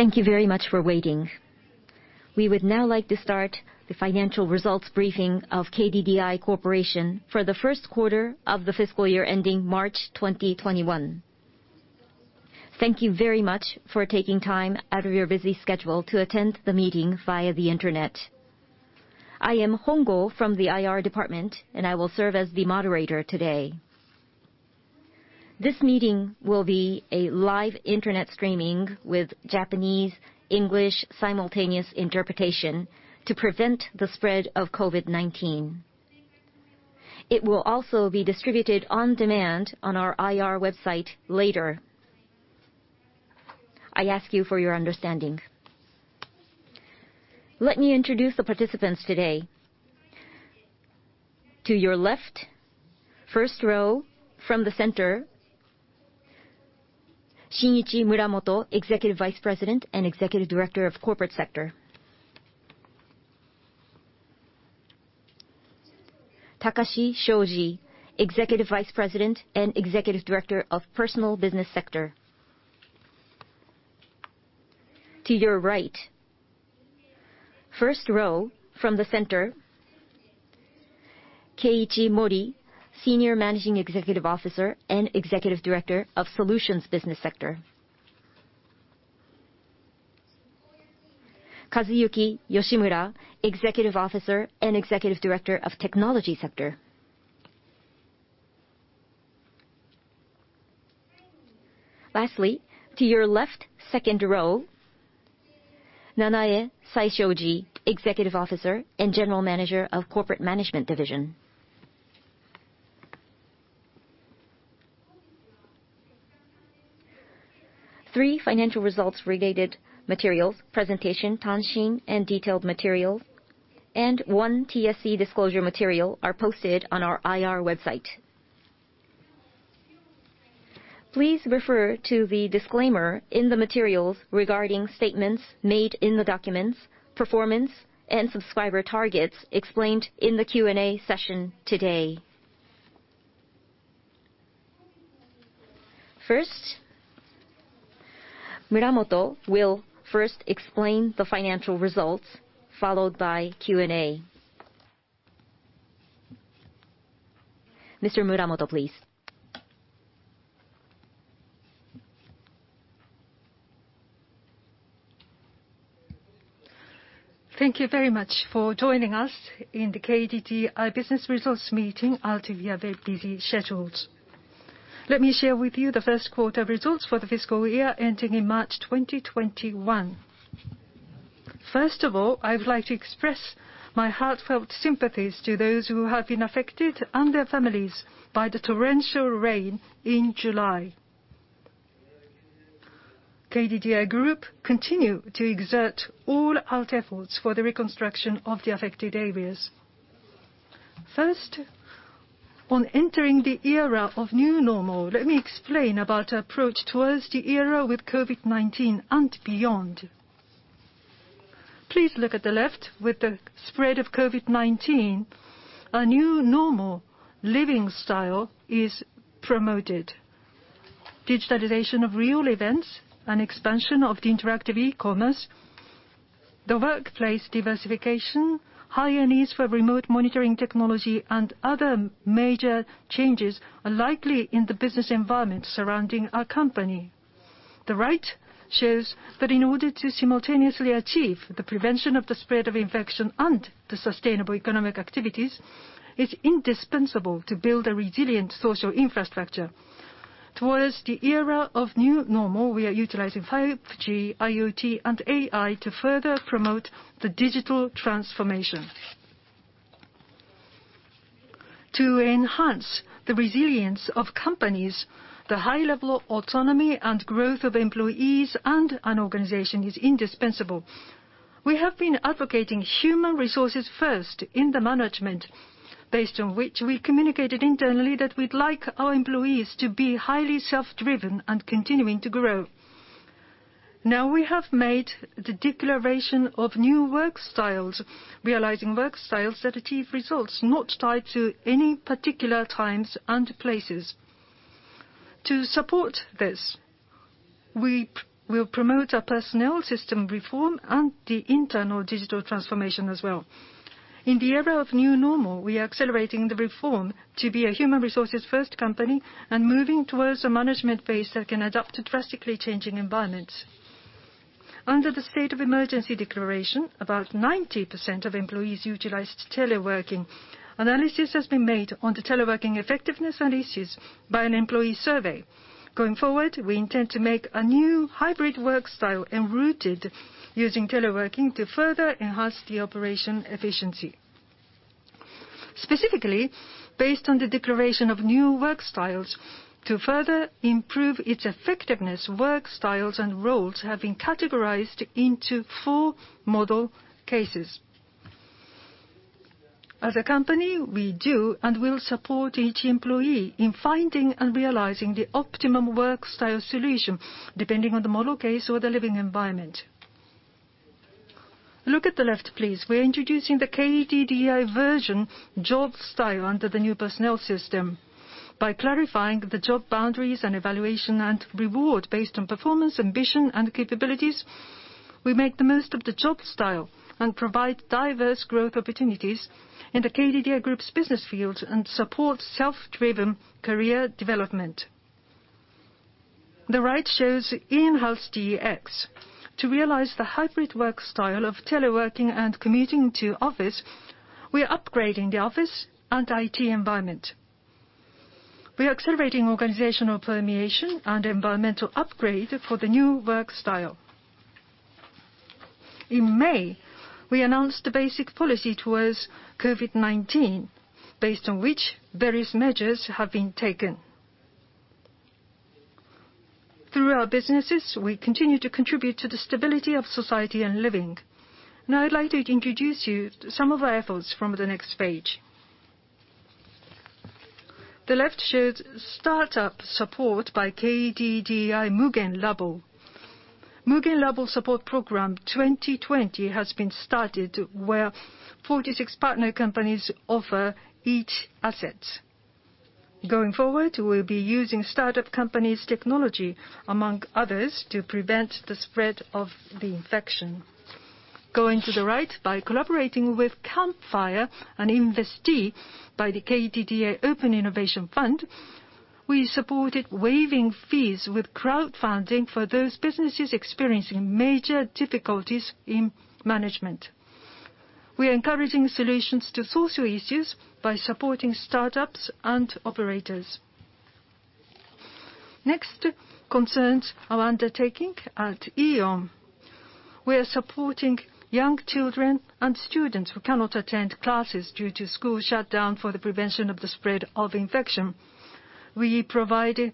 Thank you very much for waiting. We would now like to start the financial results briefing of KDDI Corporation for the first quarter of the fiscal year ending March 2021. Thank you very much for taking time out of your busy schedule to attend the meeting via the internet. I am Hongou from the IR department, and I will serve as the moderator today. This meeting will be a live internet streaming with Japanese-English simultaneous interpretation to prevent the spread of COVID-19. It will also be distributed on-demand on our IR website later. I ask you for your understanding. Let me introduce the participants today. To your left, first row from the center, Shinichi Muramoto, Executive Vice President and Executive Director of Corporate Sector. Takashi Shoji, Executive Vice President and Executive Director of Personal Business Sector. To your right, first row from the center, Keiichi Mori, Senior Managing Executive Officer and Executive Director of Solutions Business Sector. Kazuyuki Yoshimura, Executive Officer and Executive Director of Technology Sector. Lastly, to your left, second row, Nanae Saishoji, Executive Officer and General Manager of Corporate Management Division. Three financial results-related materials, presentation, tanshin, and detailed materials, and one TCFD disclosure material are posted on our IR website. Please refer to the disclaimer in the materials regarding statements made in the documents, performance, and subscriber targets explained in the Q&A session today. First, Muramoto will first explain the financial results, followed by Q&A. Mr. Muramoto, please. Thank you very much for joining us in the KDDI business results meeting held via web as scheduled. Let me share with you the first quarter results for the fiscal year ending in March 2021. I would like to express my heartfelt sympathies to those who have been affected and their families by the torrential rain in July. KDDI Group continue to exert all out efforts for the reconstruction of the affected areas. On entering the era of new normal, let me explain about our approach towards the era with COVID-19 and beyond. Please look at the left. With the spread of COVID-19, a new normal living style is promoted. Digitalization of real events and expansion of the interactive e-commerce, the workplace diversification, higher needs for remote monitoring technology, and other major changes are likely in the business environment surrounding our company. The right shows that in order to simultaneously achieve the prevention of the spread of infection and the sustainable economic activities, it's indispensable to build a resilient social infrastructure. Towards the era of new normal, we are utilizing 5G, IoT, and AI to further promote the Digital Transformation. To enhance the resilience of companies, the high level of autonomy and growth of employees and an organization is indispensable. We have been advocating human resources first in the management, based on which we communicated internally that we'd like our employees to be highly self-driven and continuing to grow. Now, we have made the declaration of New Work Styles, realizing work styles that achieve results not tied to any particular times and places. To support this, we'll promote our Personnel System Reform and the internal Digital Transformation as well. In the era of new normal, we are accelerating the reform to be a human resources first company and moving towards a management base that can adapt to drastically changing environments. Under the state of emergency declaration, about 90% of employees utilized teleworking. Analysis has been made on the teleworking effectiveness and issues by an employee survey. Going forward, we intend to make a new hybrid work style enrooted using teleworking to further enhance the operation efficiency. Specifically, based on the declaration of new work styles, to further improve its effectiveness, work styles and roles have been categorized into four model cases. As a company, we do and will support each employee in finding and realizing the optimum work style solution, depending on the model case or the living environment. Look at the left, please. We are introducing the KDDI version job style under the new personnel system. By clarifying the job boundaries and evaluation and reward based on performance, ambition, and capabilities, we make the most of the job style and provide diverse growth opportunities in the KDDI Group's business fields and support self-driven career development. The right shows in-house DX. To realize the hybrid work style of teleworking and commuting to office, we are upgrading the office and IT environment. We are accelerating organizational permeation and environmental upgrade for the new work style. In May, we announced the basic policy towards COVID-19, based on which various measures have been taken. Through our businesses, we continue to contribute to the stability of society and living. I'd like to introduce you to some of our efforts from the next page. The left shows startup support by KDDI Mugen Labo. Mugen Labo support program 2020 has been started, where 46 partner companies offer each asset. Going forward, we'll be using startup companies' technology, among others, to prevent the spread of the infection. Going to the right, by collaborating with CAMPFIRE, an investee by the KDDI Open Innovation Fund, we supported waiving fees with crowdfunding for those businesses experiencing major difficulties in management. We are encouraging solutions to social issues by supporting startups and operators. Next, concerns our undertaking at AEON. We are supporting young children and students who cannot attend classes due to school shutdown for the prevention of the spread of infection. We provide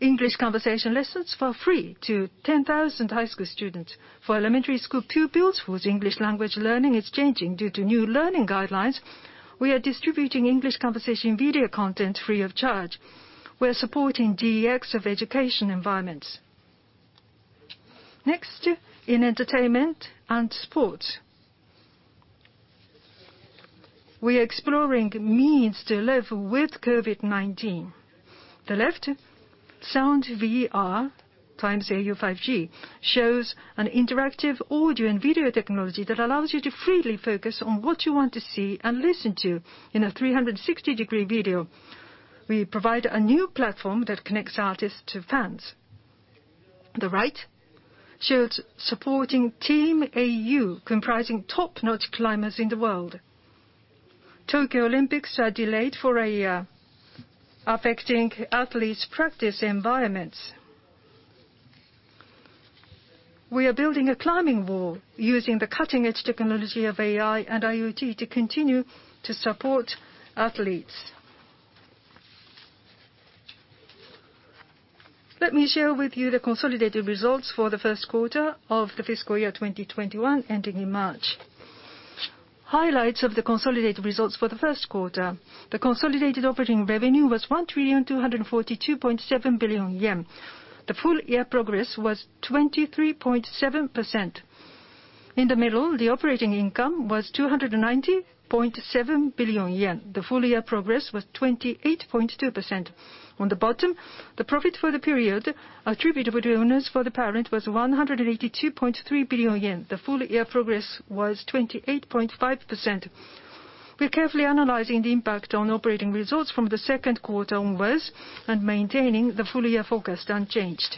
English conversation lessons for free to 10,000 high school students. For elementary school pupils whose English language learning is changing due to new learning guidelines, we are distributing English conversation video content free of charge. We are supporting DX of education environments. Next, in entertainment and sports. We are exploring means to live with COVID-19. The left, Sound VR x au 5G, shows an interactive audio and video technology that allows you to freely focus on what you want to see and listen to in a 360-degree video. We provide a new platform that connects artists to fans. The right shows supporting TEAM au, comprising top-notch climbers in the world. Tokyo Olympics are delayed for a year, affecting athletes' practice environments. We are building a climbing wall using the cutting-edge technology of AI and IoT to continue to support athletes. Let me share with you the consolidated results for the first quarter of the fiscal year 2021 ending in March. Highlights of the consolidated results for the first quarter. The consolidated operating revenue was 1 trillion 242.7 billion. The full-year progress was 23.7%. In the middle, the operating income was 290.7 billion yen. The full-year progress was 28.2%. On the bottom, the profit for the period attributable to owners for the parent was 182.3 billion yen. The full-year progress was 28.5%. We're carefully analyzing the impact on operating results from the second quarter onwards and maintaining the full-year forecast unchanged.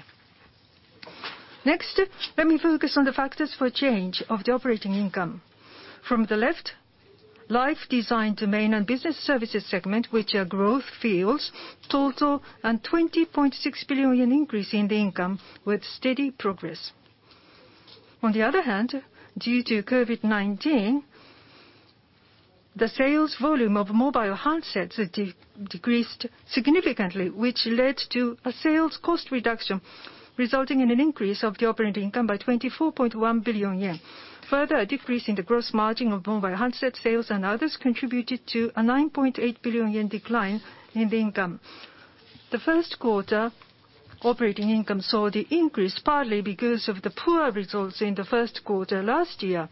Next, let me focus on the factors for change of the operating income. From the left, Life Design Domain and Business Services segment, which are growth fields, total and 20.6 billion increase in the income with steady progress. On the other hand, due to COVID-19, the sales volume of mobile handsets decreased significantly, which led to a sales cost reduction, resulting in an increase of the operating income by 24.1 billion yen. A decrease in the gross margin of mobile handset sales and others contributed to a 9.8 billion yen decline in the income. The first quarter operating income saw the increase partly because of the poor results in the first quarter last year.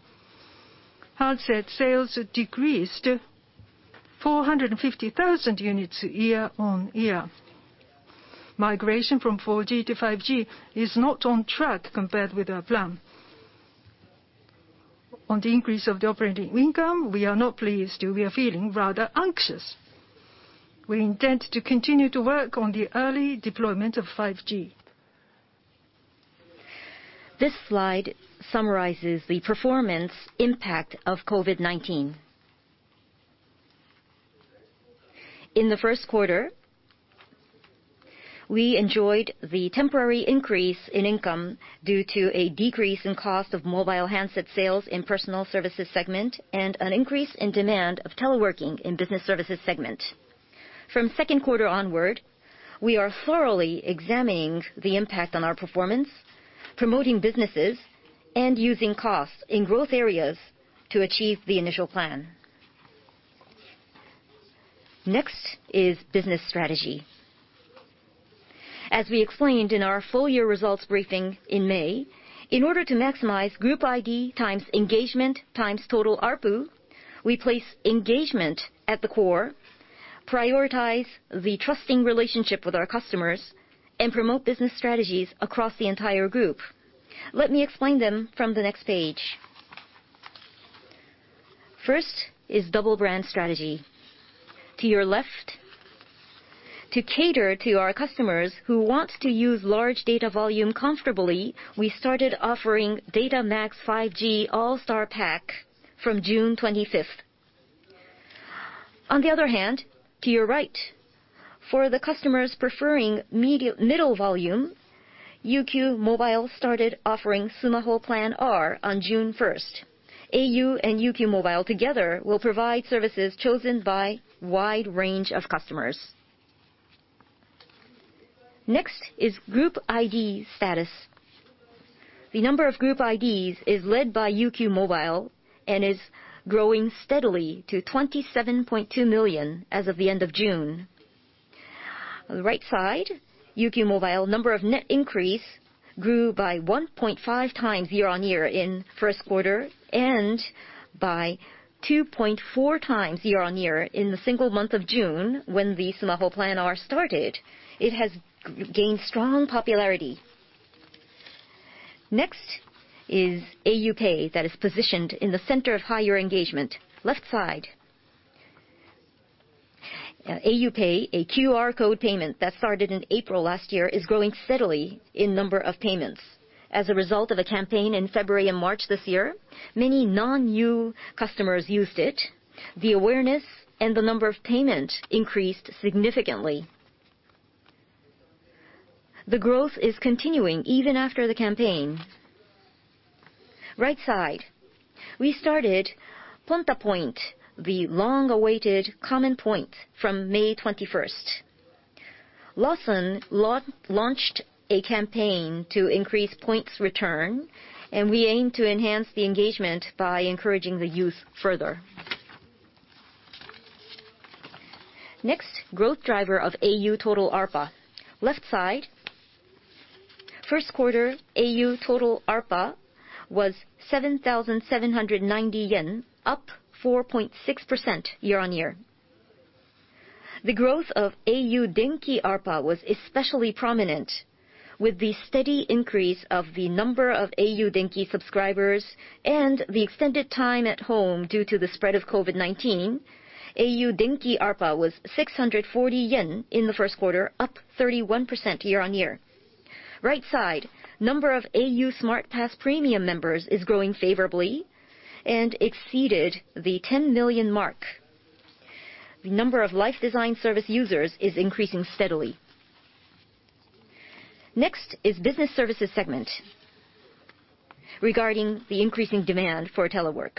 Handset sales decreased 450,000 units year-on-year. Migration from 4G to 5G is not on track compared with our plan. On the increase of the operating income, we are not pleased. We are feeling rather anxious. We intend to continue to work on the early deployment of 5G. This slide summarizes the performance impact of COVID-19. In the first quarter, we enjoyed the temporary increase in income due to a decrease in cost of mobile handset sales in Personal Services segment and an increase in demand of teleworking in Business Services segment. From second quarter onward, we are thoroughly examining the impact on our performance, promoting businesses, and using costs in growth areas to achieve the initial plan. Next is business strategy. As we explained in our full year results briefing in May, in order to maximize group ID, times engagement, times total ARPU, we place engagement at the core, prioritize the trusting relationship with our customers, and promote business strategies across the entire group. Let me explain them from the next page. First is double brand strategy. To your left, to cater to our customers who want to use large data volume comfortably, we started offering Data MAX 5G ALL STAR Pack from June 25th. To your right, for the customers preferring middle volume, UQ mobile started offering SUMAHO Plan R on June 1st. au and UQ mobile together will provide services chosen by wide range of customers. Next is group ID status. The number of group IDs is led by UQ mobile and is growing steadily to 27.2 million as of the end of June. On the right side, UQ mobile number of net increase grew by 1.5x year-on-year in first quarter, and by 2.4x year-on-year in the single month of June, when the SUMAHO Plan R started. It has gained strong popularity. Next is au PAY that is positioned in the center of higher engagement. Left side. au PAY, a QR code payment that started in April last year is growing steadily in number of payments. As a result of a campaign in February and March this year, many non-new customers used it. The awareness and the number of payments increased significantly. The growth is continuing even after the campaign. Right side. We started Ponta Points, the long-awaited common point from May 21st. Lawson launched a campaign to increase points return, and we aim to enhance the engagement by encouraging the youth further. Next, growth driver of au Total ARPA. Left side. First quarter au Total ARPA was 7,790 yen, up 4.6% year-on-year. The growth of au Denki ARPA was especially prominent with the steady increase of the number of au Denki subscribers and the extended time at home due to the spread of COVID-19. au Denki ARPA was 640 yen in the first quarter, up 31% year-on-year. Right side. Number of au Smart Pass premium members is growing favorably and exceeded the 10 million mark. The number of life design service users is increasing steadily. Next is Business Services segment regarding the increasing demand for telework.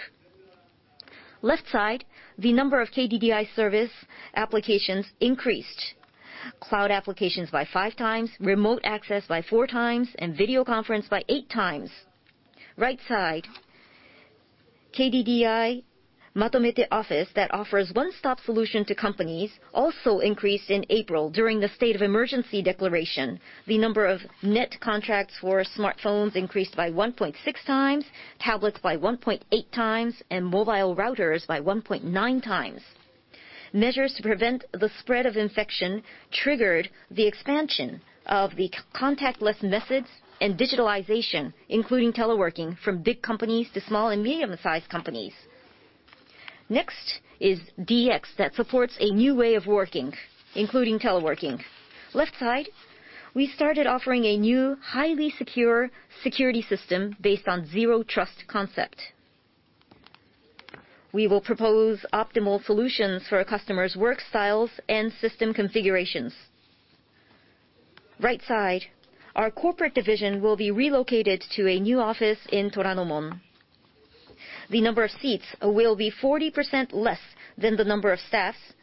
Left side, the number of KDDI service applications increased. Cloud applications by five times, remote access by four times, and video conference by eight times. Right side. KDDI Matomete Office that offers one-stop solution to companies, also increased in April during the state of emergency declaration. The number of net contracts for smartphones increased by 1.6 times, tablets by 1.8 times, and mobile routers by 1.9 times. Measures to prevent the spread of infection triggered the expansion of the contactless methods and digitalization, including teleworking, from big companies to small and medium-sized companies. Next is DX that supports a new way of working, including teleworking. Left side. We started offering a new highly secure security system based on Zero Trust concept. We will propose optimal solutions for our customers work styles and system configurations. Right side. Our corporate division will be relocated to a new office in Toranomon. The number of seats will be 40% less than the number of staffs.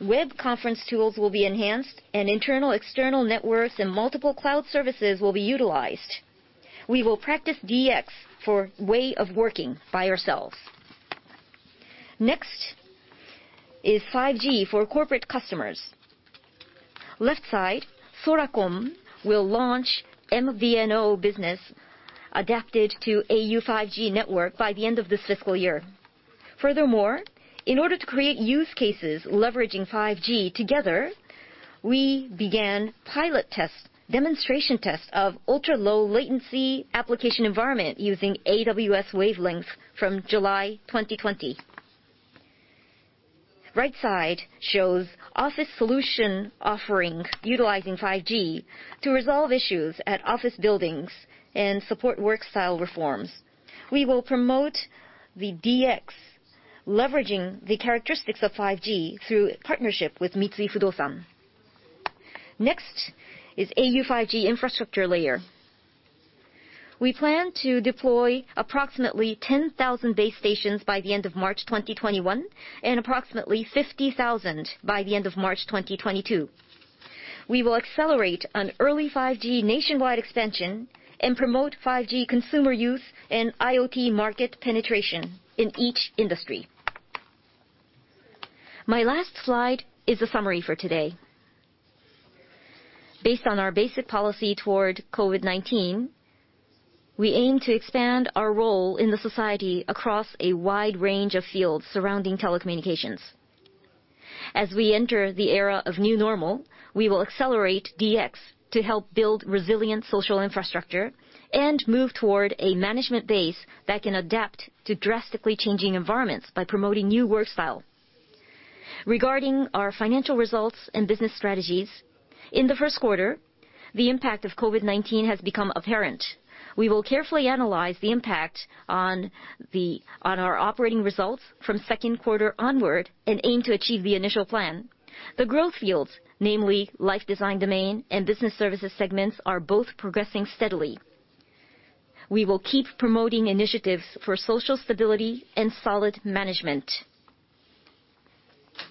Web conference tools will be enhanced, and internal, external networks and multiple cloud services will be utilized. We will practice DX for way of working by ourselves. Next is 5G for corporate customers. Left side. Soracom will launch MVNO business adapted to au 5G network by the end of this fiscal year. Furthermore, in order to create use cases leveraging 5G together, we began pilot test, demonstration test of ultra-low latency application environment using AWS Wavelength from July 2020. Right side shows office solution offerings utilizing 5G to resolve issues at office buildings and support work style reforms. We will promote the DX leveraging the characteristics of 5G through partnership with Mitsui Fudosan. Next is au 5G infrastructure layer. We plan to deploy approximately 10,000 base stations by the end of March 2021, and approximately 50,000 by the end of March 2022. We will accelerate an early 5G nationwide expansion and promote 5G consumer use and IoT market penetration in each industry. My last slide is a summary for today. Based on our basic policy toward COVID-19, we aim to expand our role in the society across a wide range of fields surrounding telecommunications. As we enter the era of new normal, we will accelerate DX to help build resilient social infrastructure and move toward a management base that can adapt to drastically changing environments by promoting new work style. Regarding our financial results and business strategies, in the first quarter, the impact of COVID-19 has become apparent. We will carefully analyze the impact on our operating results from second quarter onward and aim to achieve the initial plan. The growth fields, namely, Life Design Domain and Business Services segments, are both progressing steadily. We will keep promoting initiatives for social stability and solid management.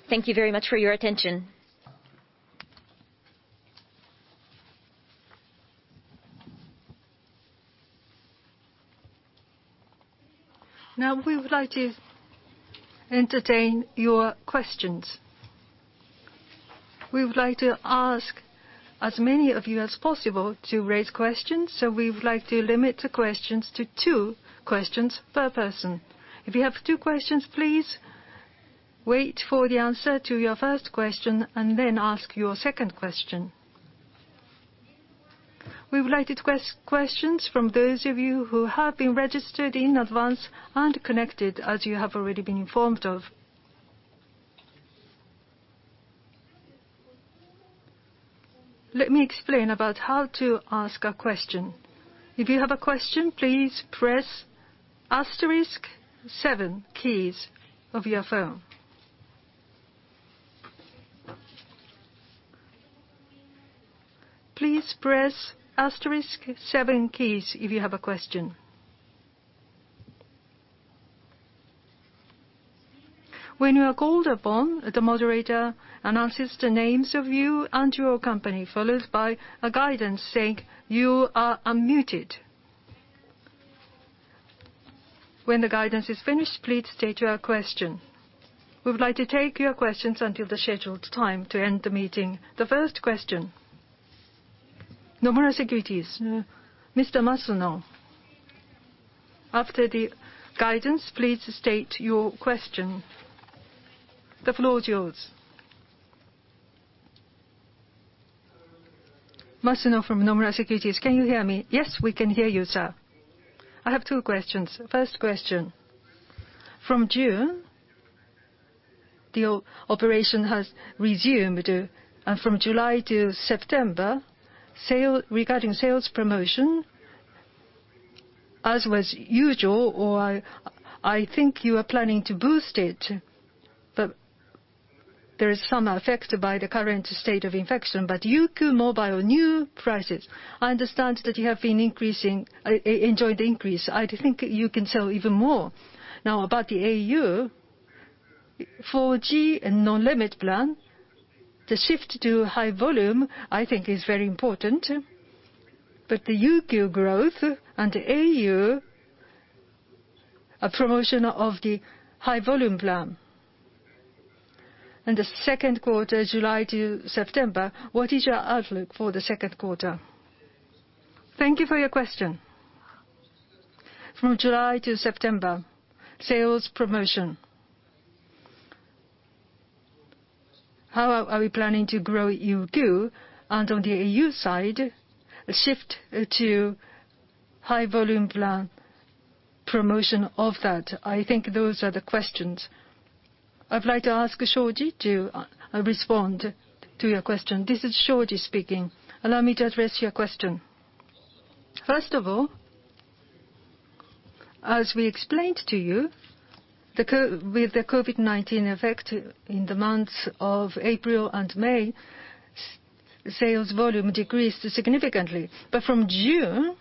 Thank you very much for your attention. Now we would like to entertain your questions. We would like to ask as many of you as possible to raise questions, so we would like to limit the questions to two questions per person. If you have two questions, please wait for the answer to your first question and then ask your second question. We would like questions from those of you who have been registered in advance and connected, as you have already been informed of. Let me explain about how to ask a question. If you have a question, please press asterisk seven keys of your phone. Please press asterisk seven keys if you have a question. When you are called upon, the moderator announces the names of you and your company, followed by a guidance saying, "You are unmuted." When the guidance is finished, please state your question. We would like to take your questions until the scheduled time to end the meeting. The first question. Nomura Securities, Mr. Masuno. After the guidance, please state your question. The floor is yours. Masuno from Nomura Securities. Can you hear me? Yes, we can hear you, sir. I have two questions. First question. From June, the operation has resumed, from July to September, regarding sales promotion, as was usual, or I think you are planning to boost it, there is some effect by the current state of infection. UQ mobile new prices, I understand that you have enjoyed the increase. I think you can sell even more. About the au. 4G and No Limit Plan, the shift to high volume I think is very important. The UQ growth and au, a promotion of the high volume plan. In the second quarter, July to September, what is your outlook for the second quarter? Thank you for your question. From July to September, sales promotion. How are we planning to grow UQ and on the au side, a shift to high volume plan promotion of that? I think those are the questions. I would like to ask Shoji to respond to your question. This is Shoji speaking. Allow me to address your question. First of all, as we explained to you, with the COVID-19 effect in the months of April and May, sales volume decreased significantly. From June,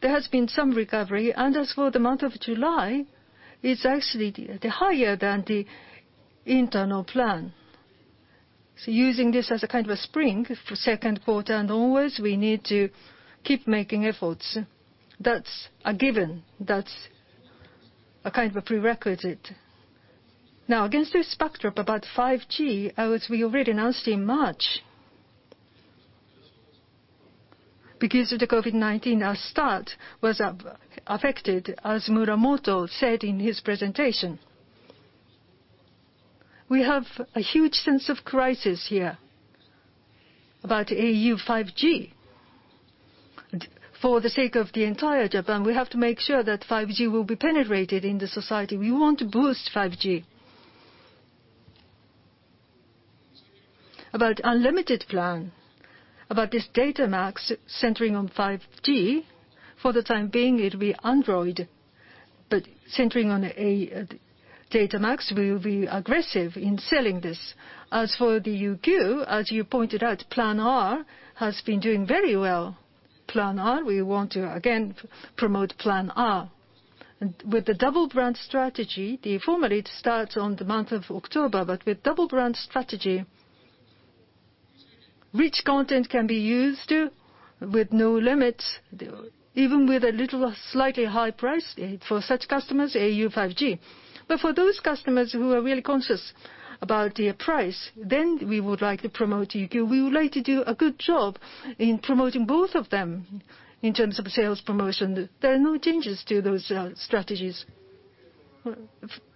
there has been some recovery, and as for the month of July, it's actually higher than the internal plan. Using this as a kind of a spring for second quarter and onwards, we need to keep making efforts. That's a given. That's a kind of a prerequisite. Against this backdrop, about 5G, as we already announced in March, because of the COVID-19, our start was affected, as Muramoto said in his presentation. We have a huge sense of crisis here about au 5G. For the sake of the entire Japan, we have to make sure that 5G will be penetrated in the society. We want to boost 5G. About unlimited plan, about this Data MAX centering on 5G, for the time being, it will be Android. Centering on Data MAX, we will be aggressive in selling this. As for the UQ, as you pointed out, Plan R has been doing very well. Plan R, we want to, again, promote Plan R. With the double brand strategy, the formula, it starts on the month of October. With double brand strategy, rich content can be used with no limits, even with a little slightly higher price for such customers, au 5G. For those customers who are really conscious about the price, then we would like to promote UQ. We would like to do a good job in promoting both of them in terms of sales promotion. There are no changes to those strategies.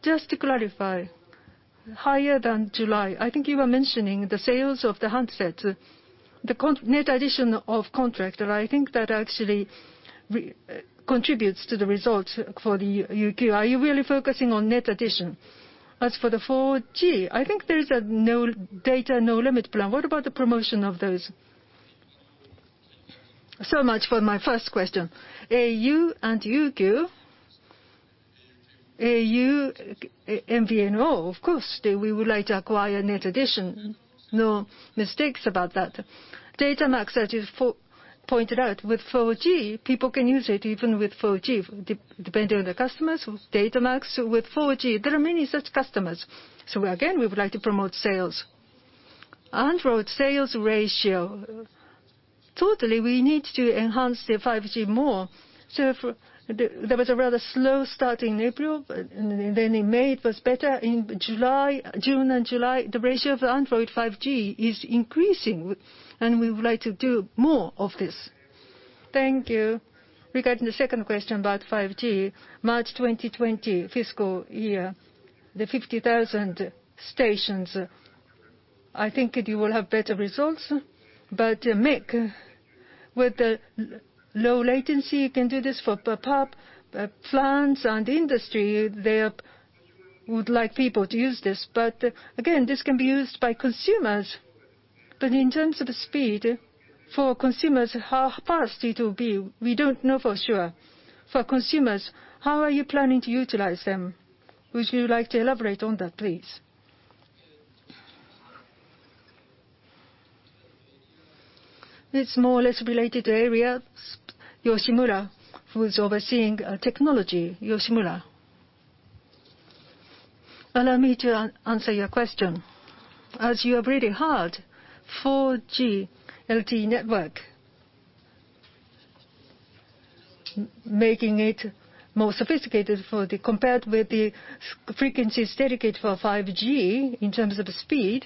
Just to clarify, higher than July, I think you were mentioning the sales of the handset, the net addition of contract. I think that actually contributes to the result for the UQ. Are you really focusing on net addition? As for the 4G, I think there is a data No Limit plan. What about the promotion of those? So much for my first question. au and UQ, au MVNO, of course, we would like to acquire net addition, no mistakes about that. Data MAX, as you pointed out, with 4G, people can use it even with 4G, depending on the customers, Data MAX with 4G. There are many such customers. Again, we would like to promote sales. Android sales ratio, totally, we need to enhance the 5G more. There was a rather slow start in April, but then in May, it was better. In June and July, the ratio of Android 5G is increasing. We would like to do more of this. Thank you. Regarding the second question about 5G, March 2020 fiscal year, the 50,000 stations, I think you will have better results. MEC, with the low latency, you can do this for power plants and industry. They would like people to use this. Again, this can be used by consumers. In terms of speed for consumers, how fast it will be, we don't know for sure. For consumers, how are you planning to utilize them? Would you like to elaborate on that, please? It's more or less related area. Yoshimura, who is overseeing technology. Yoshimura. Allow me to answer your question. As you have read hard, 4G LTE network, making it more sophisticated compared with the frequencies dedicated for 5G in terms of speed,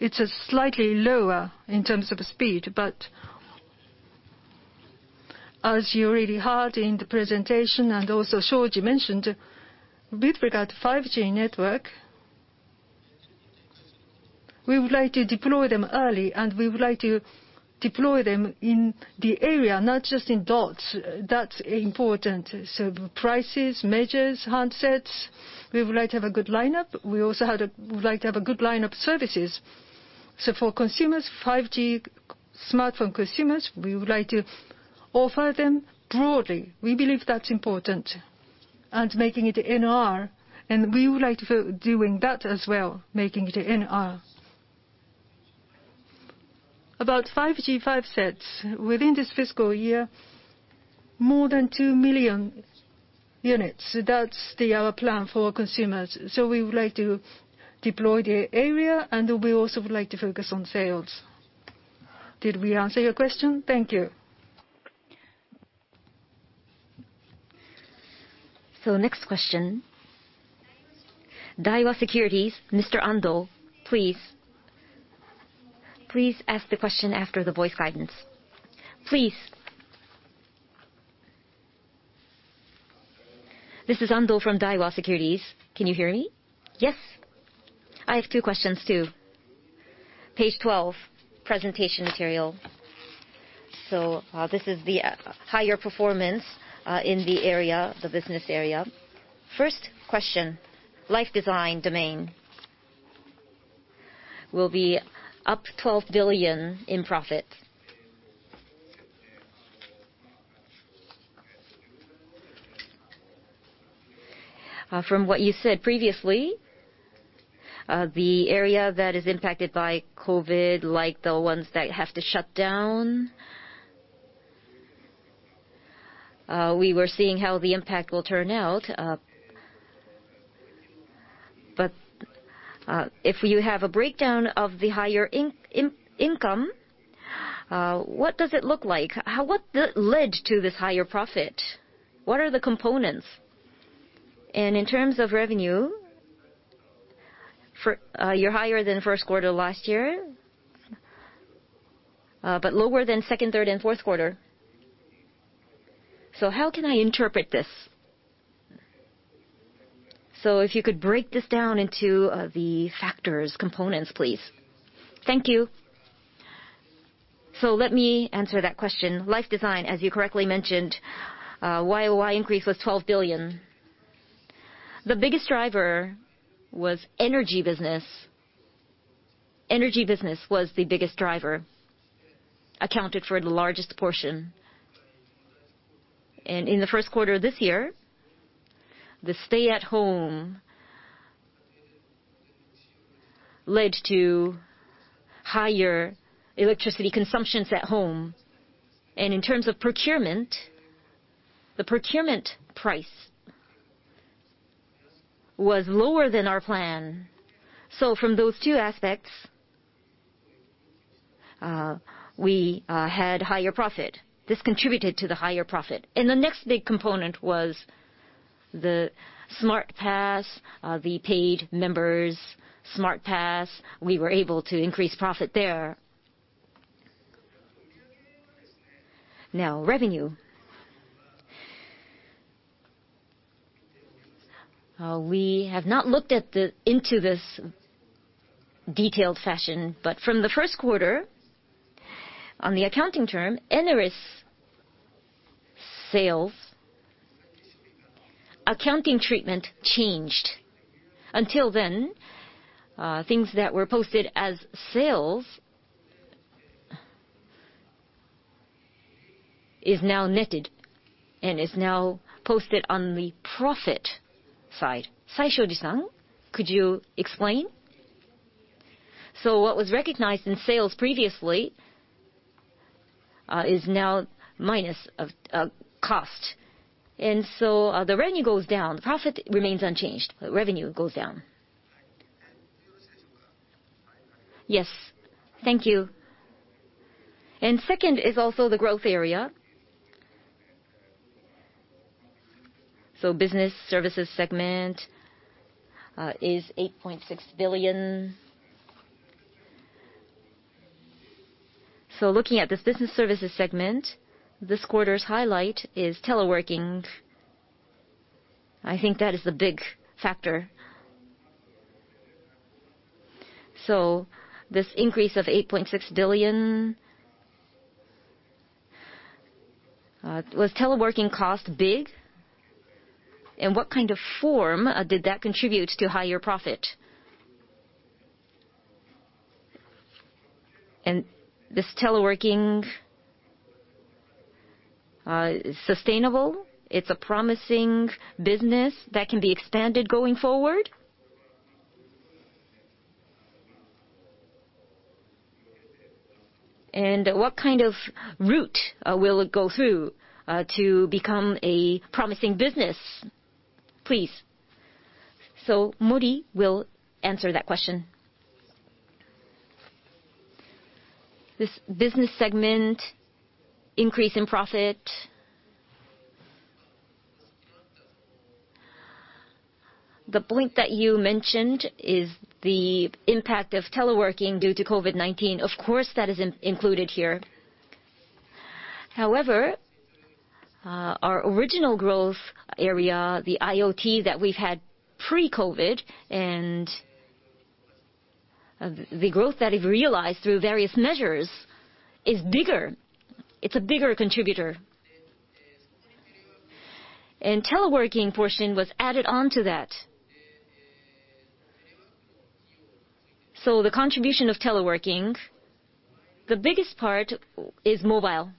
it's slightly lower in terms of speed. As you read hard in the presentation and also Shoji mentioned, with regard to 5G network, we would like to deploy them early, and we would like to deploy them in the area, not just in dots. That's important. Prices, measures, handsets, we would like to have a good lineup. We also would like to have a good lineup of services. For consumers, 5G smartphone consumers, we would like to offer them broadly. We believe that's important. Making it NR, and we would like for doing that as well, making it NR. About 5G sets, within this fiscal year, more than 2 million units. That's our plan for consumers. We would like to deploy the area, and we also would like to focus on sales. Did we answer your question? Thank you. Next question. Daiwa Securities, Mr. Ando, please. Please ask the question after the voice guidance. Please. This is Ando from Daiwa Securities. Can you hear me? Yes. I have two questions, too. Page 12, presentation material. This is the higher performance in the business area. First question, Life Design Domain will be up 12 billion in profit. From what you said previously, the area that is impacted by COVID-19, like the ones that have to shut down, we were seeing how the impact will turn out. If you have a breakdown of the higher income, what does it look like? What led to this higher profit? What are the components? In terms of revenue, you're higher than first quarter last year, but lower than second, third, and fourth quarter. How can I interpret this? If you could break this down into the factors, components, please. Thank you. Let me answer that question. Life Design, as you correctly mentioned, YOY increase was 12 billion. The biggest driver was energy business. Energy business was the biggest driver, accounted for the largest portion. In the first quarter of this year, the stay-at-home Led to higher electricity consumptions at home. In terms of procurement, the procurement price was lower than our plan. From those two aspects, we had higher profit. This contributed to the higher profit. The next big component was the Smart Pass, the paid members, Smart Pass, we were able to increase profit there. Revenue. We have not looked into this detailed fashion, but from the first quarter, on the accounting term, ENERES sales accounting treatment changed. Until then, things that were posted as sales is now netted and is now posted on the profit side. Saishoji San, could you explain? What was recognized in sales previously is now minus of cost. The revenue goes down, the profit remains unchanged, but revenue goes down. Yes. Thank you. Second is also the growth area. Business Services segment is JPY 8.6 billion. Looking at this Business Services segment, this quarter's highlight is teleworking. I think that is the big factor. This increase of JPY 8.6 billion, was teleworking cost big? In what kind of form did that contribute to higher profit? This teleworking, sustainable? It's a promising business that can be expanded going forward? What kind of route will it go through, to become a promising business? Please. Mori will answer that question. This Business Services segment increase in profit. The point that you mentioned is the impact of teleworking due to COVID-19. Of course, that is included here. However, our original growth area, the IoT that we've had pre-COVID-19 and the growth that we've realized through various measures is bigger. It's a bigger contributor. Teleworking portion was added on to that. The contribution of teleworking, the biggest part is mobile.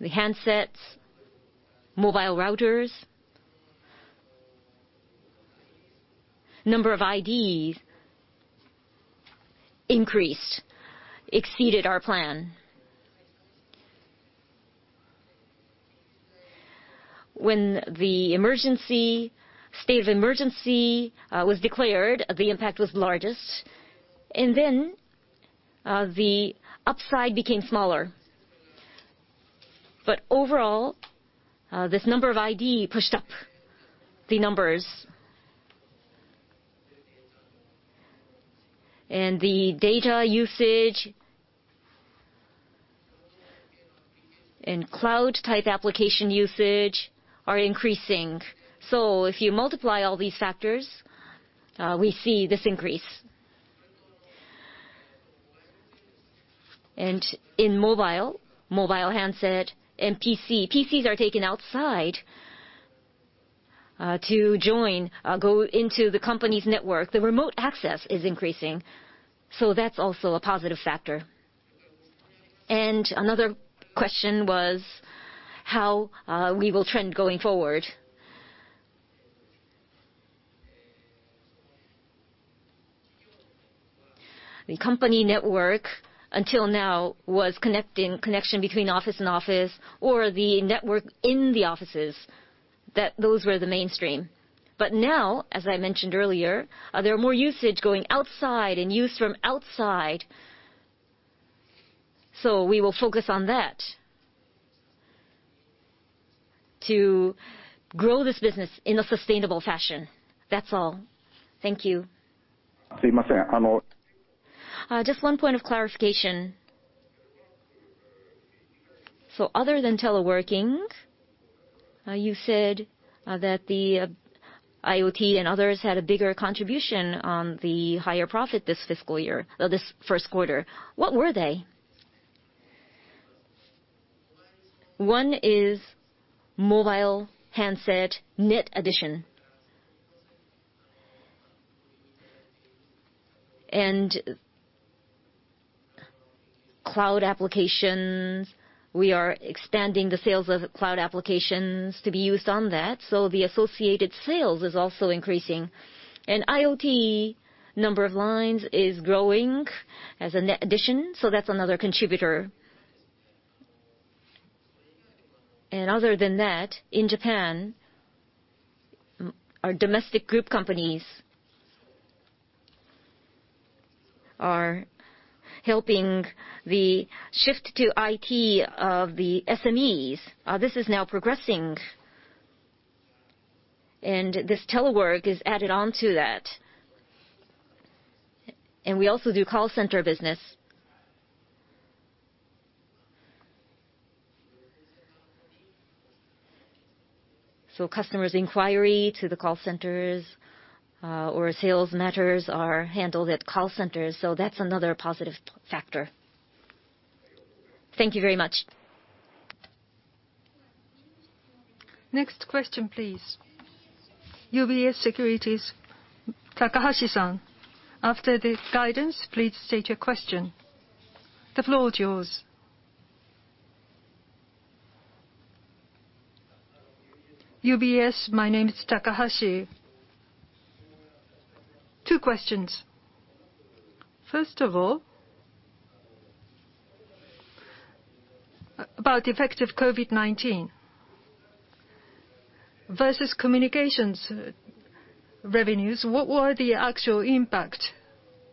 The handsets, mobile routers. Number of IDs increased, exceeded our plan. When the state of emergency was declared, the impact was largest, then the upside became smaller. Overall, this number of ID pushed up the numbers. The data usage and cloud type application usage are increasing. If you multiply all these factors, we see this increase. In mobile handset and PCs are taken outside, to join, go into the company's network. The remote access is increasing. That's also a positive factor. Another question was how we will trend going forward. The company network, until now, was connection between office and office, or the network in the offices, those were the mainstream. Now, as I mentioned earlier, there are more usage going outside and use from outside. We will focus on that to grow this business in a sustainable fashion. That's all. Thank you. Just one point of clarification. Other than teleworking, you said that the IoT and others had a bigger contribution on the higher profit this first quarter. What were they? One is mobile handset net addition. Cloud applications, we are expanding the sales of cloud applications to be used on that. The associated sales is also increasing. IoT number of lines is growing as a net addition. That's another contributor. Other than that, in Japan, our domestic group companies are helping the shift to IT of the SMEs. This is now progressing, and this telework is added onto that. We also do call center business. Customers' inquiry to the call centers or sales matters are handled at call centers. That's another positive factor. Thank you very much. Next question, please. UBS Securities, Takahashi-san. After the guidance, please state your question. The floor is yours. UBS, my name is Takahashi. Two questions. First of all, about the effect of COVID-19 versus communications revenues. What was the actual impact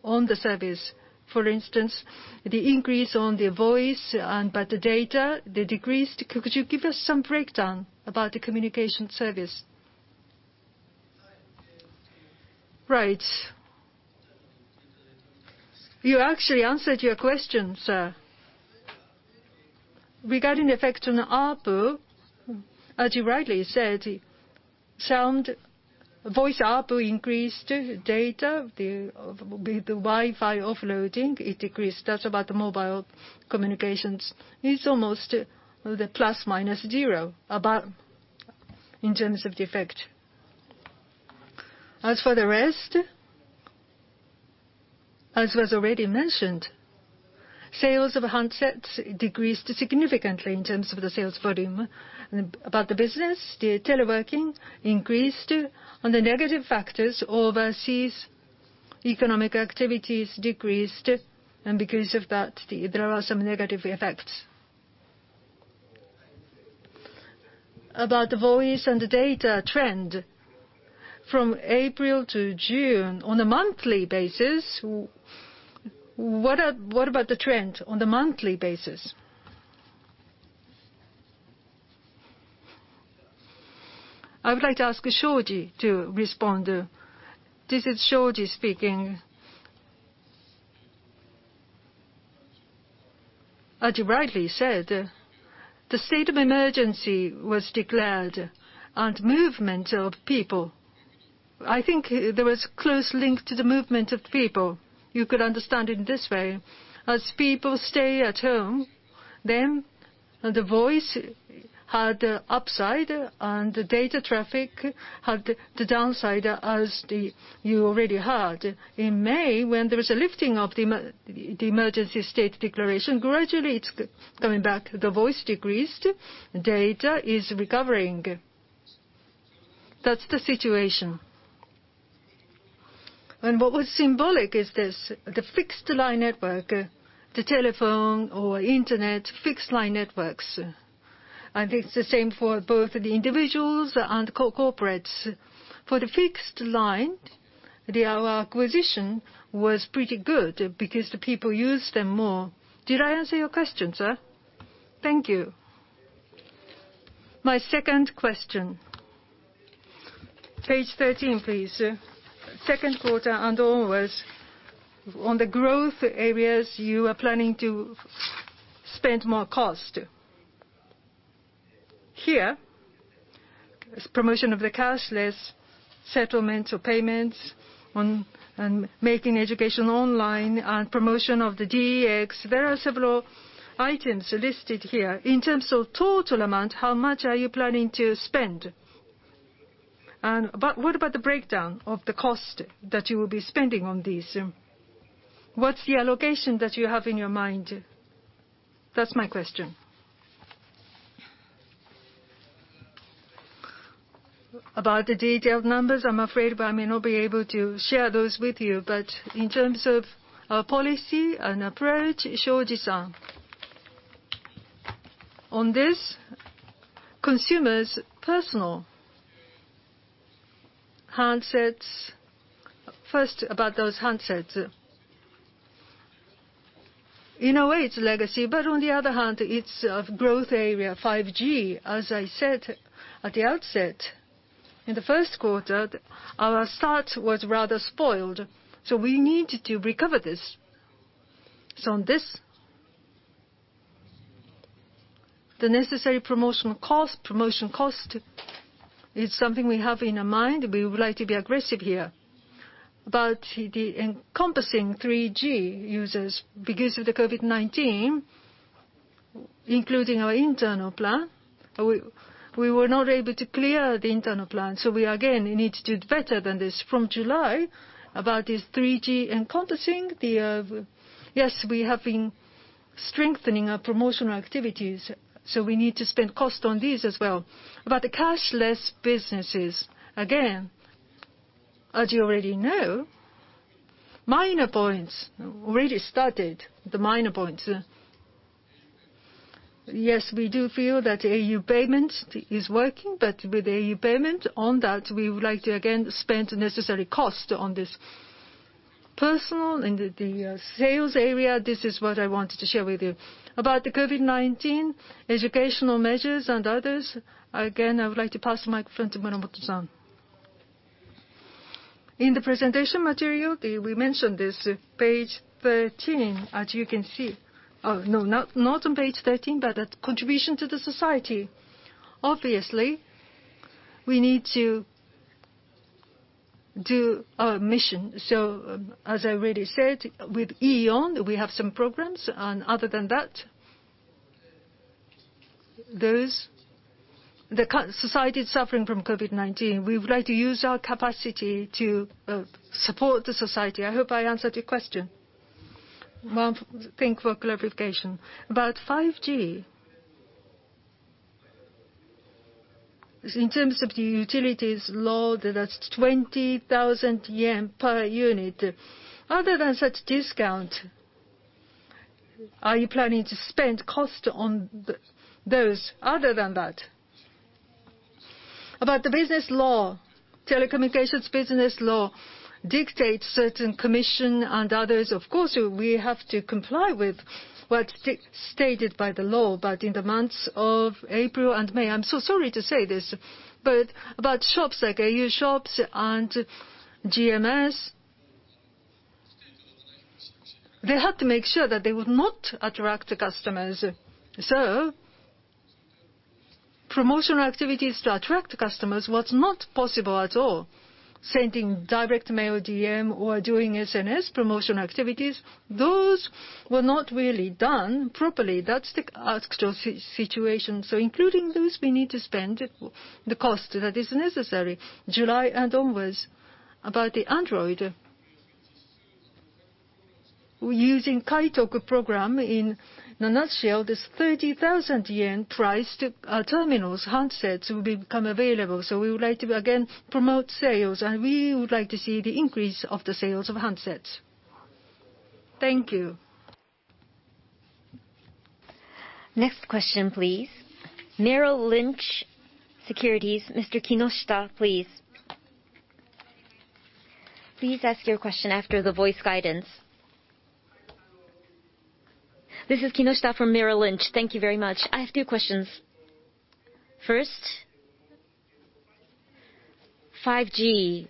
on the service? For instance, the increase on the voice, and by the data, the decrease. Could you give us some breakdown about the communication service? Right. You actually answered your question, sir. Regarding the effect on the ARPU, as you rightly said, voice ARPU increased. Data, with the Wi-Fi offloading, it decreased. That's about the mobile communications. It's almost the plus-minus zero, about, in terms of the effect. As for the rest, as was already mentioned, sales of handsets decreased significantly in terms of the sales volume. About the business, the teleworking increased. On the negative factors, overseas economic activities decreased, and because of that, there are some negative effects. About the voice and the data trend from April to June on a monthly basis, what about the trend on the monthly basis? I would like to ask Shoji to respond. This is Shoji speaking. As you rightly said, the state of emergency was declared, and movement of people. I think there was close link to the movement of people. You could understand it this way. As people stay at home, then the voice had the upside, and the data traffic had the downside, as you already heard. In May, when there was a lifting of the emergency state declaration, gradually it's coming back. The voice decreased, data is recovering. That's the situation. What was symbolic is this, the fixed-line network, the telephone or internet fixed-line networks. I think it's the same for both the individuals and corporates. For the fixed line, our acquisition was pretty good because the people used them more. Did I answer your question, sir? Thank you. My second question. Page 13, please. Second quarter and onwards, on the growth areas, you are planning to spend more cost. Here, it's promotion of the cashless settlement or payments, making education online, promotion of the DX. There are several items listed here. In terms of total amount, how much are you planning to spend? What about the breakdown of the cost that you will be spending on these? What's the allocation that you have in your mind? That's my question. About the detailed numbers, I'm afraid I may not be able to share those with you. In terms of our policy and approach, Shoji-san. On this, consumers' personal handsets. First, about those handsets. In a way, it's legacy, but on the other hand, it's a growth area, 5G. As I said at the outset, in the first quarter, our start was rather spoiled, we need to recover this. On this, the necessary promotion cost is something we have in mind. We would like to be aggressive here. The encompassing 3G users, because of the COVID-19. Including our internal plan, we were not able to clear the internal plan. We again need to do better than this. From July, about this 3G encompassing, yes, we have been strengthening our promotional activities, so we need to spend cost on this as well. The cashless businesses, again, as you already know, Ponta Points already started. Ponta Points. Yes, we do feel that au PAY is working, but with au PAY, on that, we would like to again spend necessary cost on this. Personal and the sales area. This is what I wanted to share with you. The COVID-19 educational measures and others, again, I would like to pass the microphone to Muramoto-san. In the presentation material, we mentioned this, page 13, as you can see. Not on page 13, contribution to the society. Obviously, we need to do our mission. As I already said, with AEON, we have some programs. Other than that, the society is suffering from COVID-19. We would like to use our capacity to support the society. I hope I answered your question. Thank you for clarification. About 5G, in terms of the utilities law, that's 20,000 yen per unit. Other than such discount, are you planning to spend cost on those other than that? About the business law, telecommunications business law dictates certain commission and others. Of course, we have to comply with what's stated by the law. In the months of April and May, I'm so sorry to say this, but shops like au shops and GMS, they had to make sure that they would not attract the customers. Promotional activities to attract customers was not possible at all. Sending direct mail, DM, or doing SNS promotional activities, those were not really done properly. That's the actual situation. Including those, we need to spend the cost that is necessary. July and onwards, about the Android, we're using Kaetoku Program. In a nutshell, this 30,000 yen priced terminals, handsets, will become available. We would like to, again, promote sales, and we would like to see the increase of the sales of handsets. Thank you. Next question, please. Merrill Lynch Securities, Mr. Kinoshita, please. Please ask your question after the voice guidance. This is Kinoshita from Merrill Lynch. Thank you very much. I have two questions. First, 5G.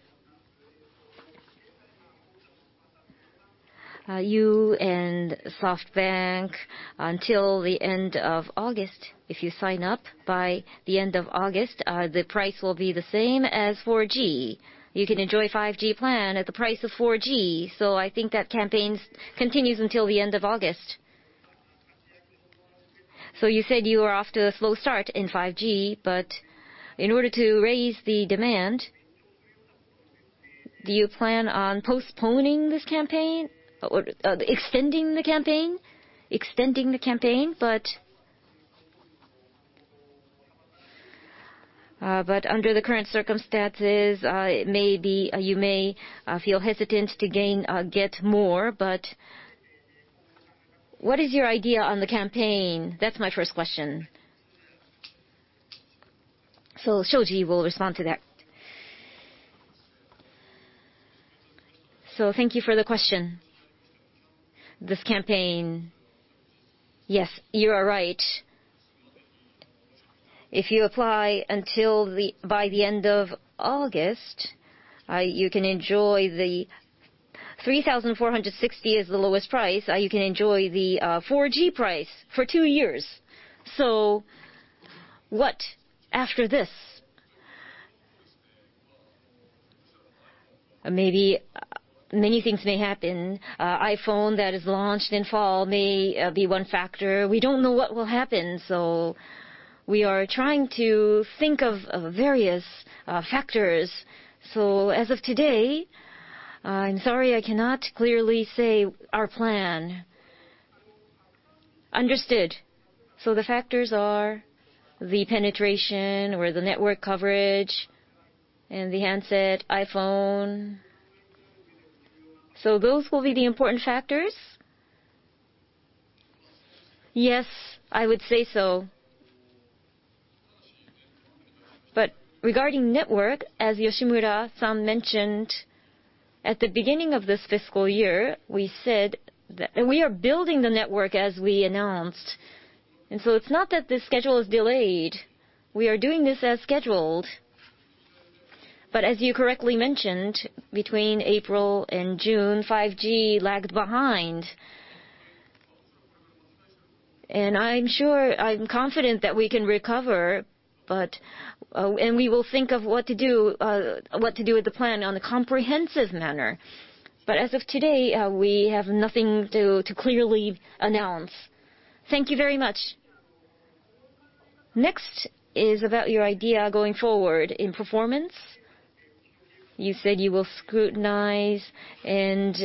au and SoftBank, until the end of August, if you sign up by the end of August, the price will be the same as 4G. You can enjoy 5G plan at the price of 4G. I think that campaign continues until the end of August. You said you are off to a slow start in 5G, but in order to raise the demand, do you plan on postponing this campaign or extending the campaign? Extending the campaign, but under the current circumstances, you may feel hesitant to get more. What is your idea on the campaign? That's my first question. Shoji will respond to that. Thank you for the question. This campaign, yes, you are right. If you apply by the end of August, 3,460 is the lowest price, you can enjoy the 4G price for two years. What after this? iPhone that is launched in fall may be one factor. We don't know what will happen, so we are trying to think of various factors. As of today, I'm sorry, I cannot clearly say our plan. Understood. The factors are the penetration, or the network coverage, and the handset iPhone. Those will be the important factors? Yes, I would say so. Regarding network, as Yoshimura-san mentioned at the beginning of this fiscal year, we are building the network as we announced. It's not that the schedule is delayed. We are doing this as scheduled. As you correctly mentioned, between April and June, 5G lagged behind. I'm confident that we can recover, and we will think of what to do with the plan on a comprehensive manner. As of today, we have nothing to clearly announce. Thank you very much. Next is about your idea going forward in performance. You said you will scrutinize and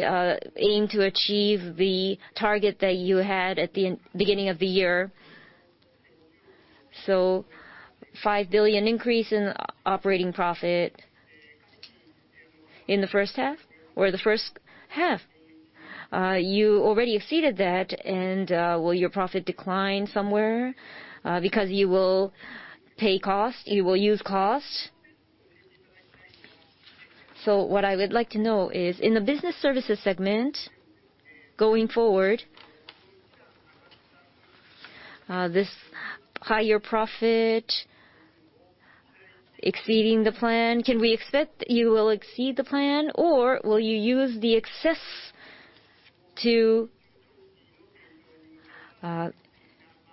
aim to achieve the target that you had at the beginning of the year. 5 billion increase in operating profit in the first half. You already exceeded that. Will your profit decline somewhere because you will pay cost, you will use cost? What I would like to know is, in the Business Services segment, going forward, this higher profit exceeding the plan, can we expect that you will exceed the plan or will you use the excess to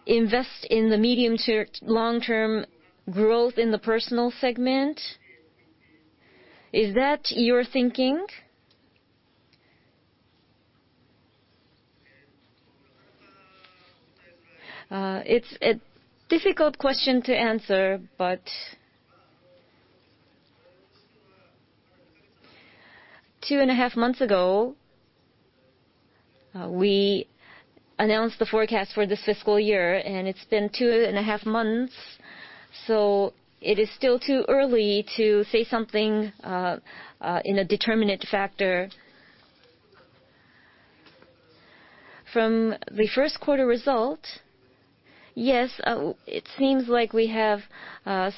invest in the medium to long-term growth in the Personal segment? Is that your thinking? It's a difficult question to answer. Two and a half months ago, we announced the forecast for this fiscal year. It's been two and a half months, it is still too early to say something in a determinate factor. From the first quarter result, yes, it seems like we have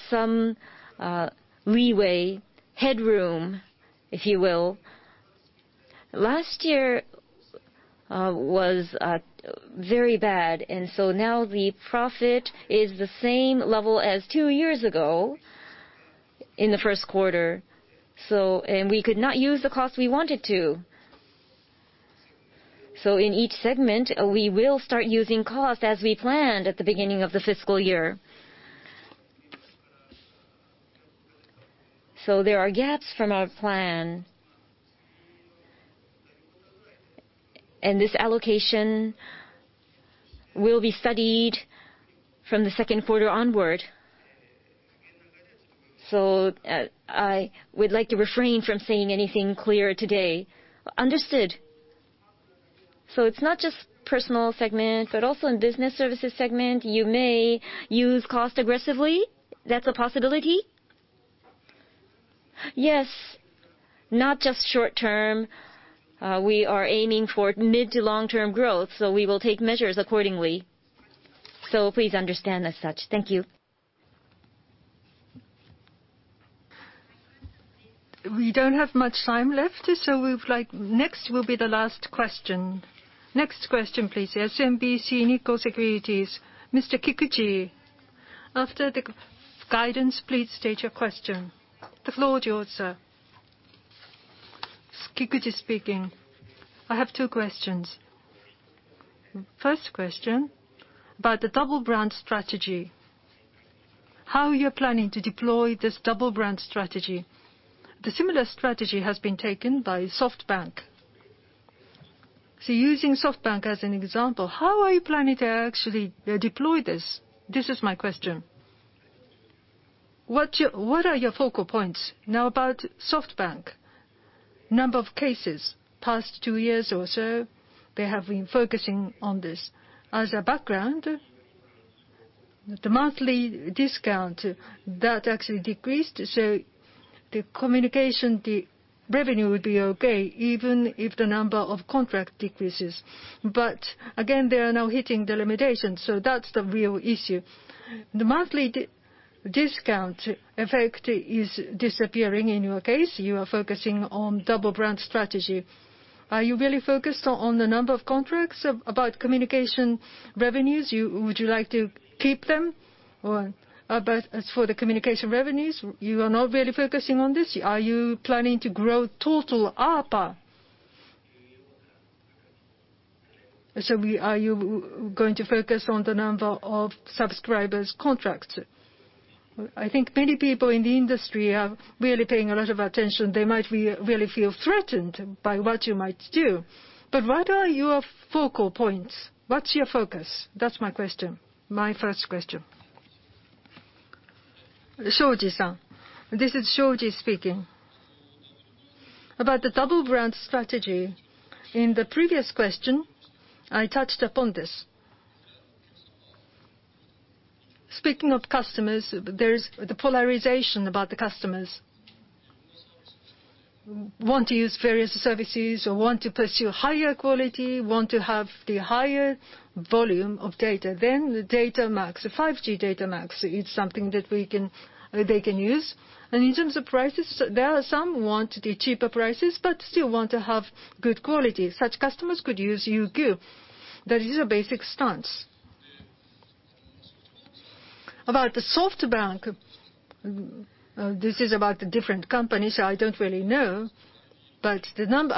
some leeway, headroom, if you will. Last year was very bad. Now the profit is the same level as two years ago in the first quarter. We could not use the cost we wanted to. In each segment, we will start using cost as we planned at the beginning of the fiscal year. There are gaps from our plan. This allocation will be studied from the second quarter onward. I would like to refrain from saying anything clear today. Understood. It's not just Personal Services segment, but also in Business Services segment, you may use cost aggressively. That's a possibility? Yes. Not just short term. We are aiming for mid to long-term growth, we will take measures accordingly. Please understand as such. Thank you. We don't have much time left, next will be the last question. Next question, please. SMBC Nikko Securities, Mr. Kikuchi. After the guidance, please state your question. The floor is yours, sir. Kikuchi speaking. I have two questions. First question, about the double brand strategy. How are you planning to deploy this double brand strategy? The similar strategy has been taken by SoftBank. Using SoftBank as an example, how are you planning to actually deploy this? This is my question. What are your focal points? Now about SoftBank, number of cases, past two years or so, they have been focusing on this. As a background, the monthly discount, that actually decreased, the communication revenue would be okay even if the number of contract decreases. Again, they are now hitting the limitations, that's the real issue. The monthly discount effect is disappearing in your case. You are focusing on double brand strategy. Are you really focused on the number of contracts? About communication revenues, would you like to keep them? As for the communication revenues, you are not really focusing on this. Are you planning to grow total ARPA? Are you going to focus on the number of subscribers contracts? I think many people in the industry are really paying a lot of attention. They might really feel threatened by what you might do. What are your focal points? What's your focus? That's my question. My first question. Shoji-san. This is Shoji speaking. About the double brand strategy, in the previous question, I touched upon this. Speaking of customers, there is the polarization about the customers. Want to use various services or want to pursue higher quality, want to have the higher volume of data, the Data MAX, the 5G Data MAX, is something that they can use. In terms of prices, there are some who want the cheaper prices but still want to have good quality. Such customers could use UQ. That is our basic stance. About SoftBank, this is about the different companies, so I don't really know.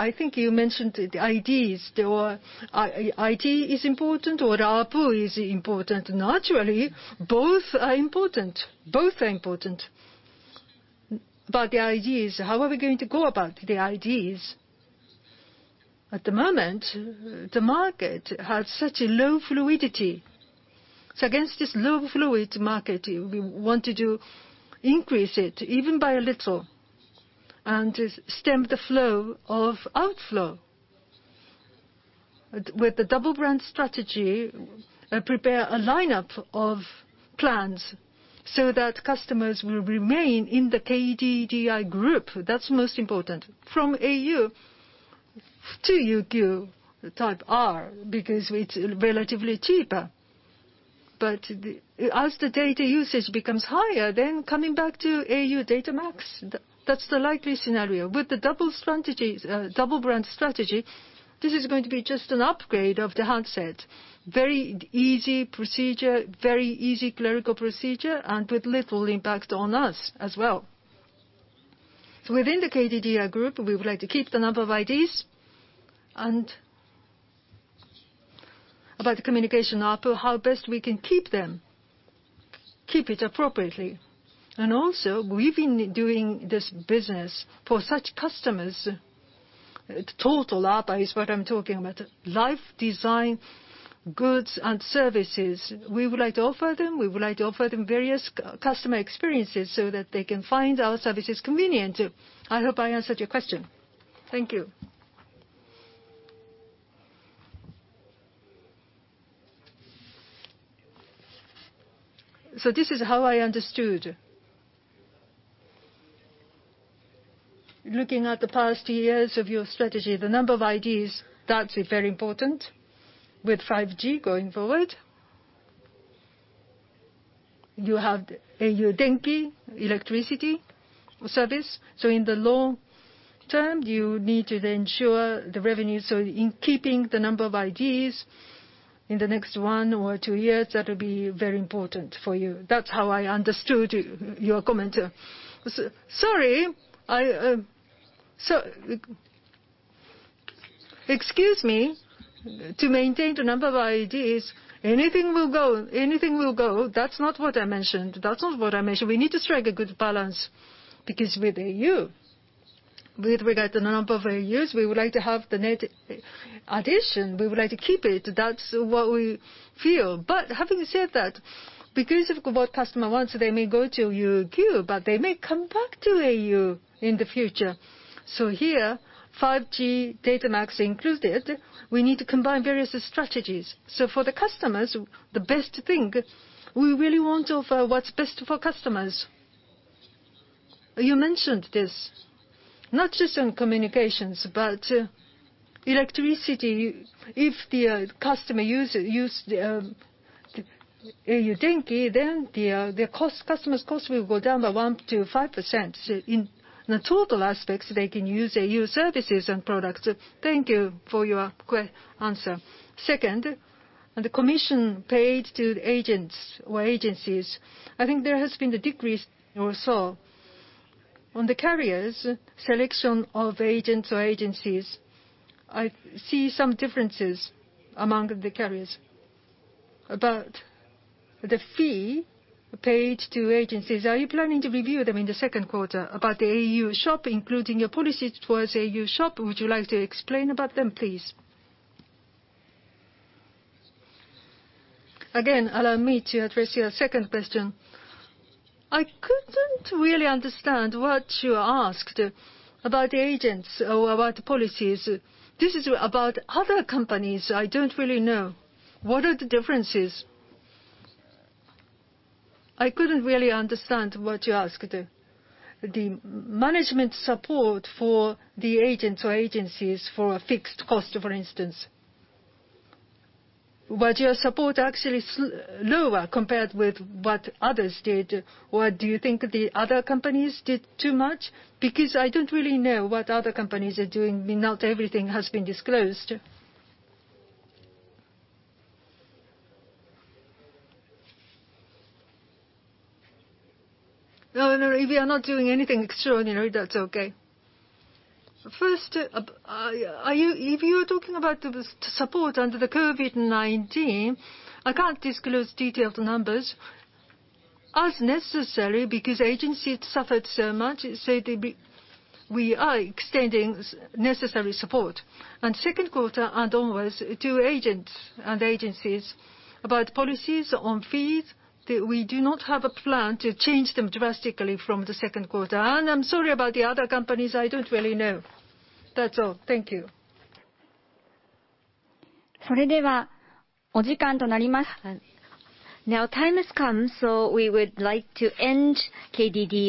I think you mentioned the IDs. IT is important or ARPU is important. Naturally, both are important. Both are important. About the IDs, how are we going to go about the IDs? At the moment, the market has such a low fluidity. Against this low fluid market, we wanted to increase it, even by a little, and stem the flow of outflow. With the double brand strategy, prepare a lineup of plans so that customers will remain in the KDDI Group. That's most important. From au to UQ type R, because it's relatively cheaper. As the data usage becomes higher, then coming back to au Data MAX, that's the likely scenario. With the double brand strategy, this is going to be just an upgrade of the handset. Very easy procedure, very easy clerical procedure, with little impact on us as well. Within the KDDI Group, we would like to keep the number of IDs and about the communication offer, how best we can keep them, keep it appropriately. Also, we've been doing this business for such customers, total offer is what I'm talking about. Life design, goods and services. We would like to offer them various customer experiences so that they can find our services convenient. I hope I answered your question. Thank you. This is how I understood. Looking at the past years of your strategy, the number of IDs, that is very important with 5G going forward. You have au Denki electricity service. In the long term, you need to then ensure the revenue. In keeping the number of IDs in the next one or two years, that will be very important for you. That's how I understood your comment. Sorry. Excuse me. To maintain the number of IDs, anything will go. That's not what I mentioned. We need to strike a good balance, because with au, with regard to the number of aus, we would like to have the net addition. We would like to keep it. That's what we feel. Having said that, because of what customer wants, they may go to UQ, but they may come back to au in the future. Here, 5G Data MAX included, we need to combine various strategies. For the customers, the best thing, we really want to offer what's best for customers. You mentioned this, not just on communications, but electricity. If the customer use the au Denki, then the customer's cost will go down by 1%-5%. In the total aspects, they can use au services and products. Thank you for your answer. Second, the commission paid to the agents or agencies, I think there has been a decrease or so. On the carriers, selection of agents or agencies, I see some differences among the carriers. About the fee paid to agencies, are you planning to review them in the second quarter? About the au Shop, including your policies towards au Shop, would you like to explain about them, please? Again, allow me to address your second question. I couldn't really understand what you asked about the agents or about the policies. This is about other companies. I don't really know. What are the differences? I couldn't really understand what you asked. The management support for the agents or agencies for a fixed cost, for instance. Was your support actually lower compared with what others did, or do you think the other companies did too much? I don't really know what other companies are doing. Not everything has been disclosed. No, if you are not doing anything extraordinary, that's okay. First, if you are talking about the support under the COVID-19, I can't disclose detailed numbers. As necessary, because agencies suffered so much, so we are extending necessary support. Second quarter and onwards to agents and agencies about policies on fees, we do not have a plan to change them drastically from the second quarter. I'm sorry about the other companies. I don't really know. That's all. Thank you. Now time has come, so we would like to end KDDI-